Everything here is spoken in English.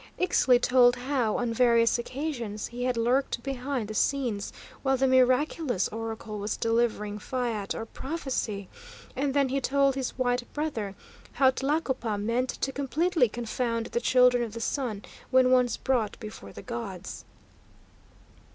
Ixtli told how, on various occasions, he had lurked behind the scenes while the miraculous "oracle" was delivering fiat or prophecy, and then he told his white brother how Tlacopa meant to completely confound the Children of the Sun when once brought before the gods.